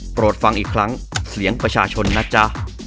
โปรดฟังอีกครั้งเสียงประชาชนนะจ๊ะ